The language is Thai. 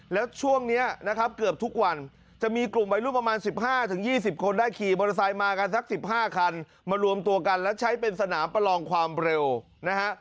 แล้วช่วงนี้นะครับเกือบทุกวันจะมีกลุ่มวัยรุ่นประมาณ๑๕๒๐คนได้ขี่มอเตอร์ไซค์มากันสัก๑๕คันมารวมตัวกันและใช้เป็นสนามประลองความเร็วนะฮะ